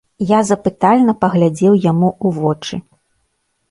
Я запытальна паглядзеў яму ў вочы.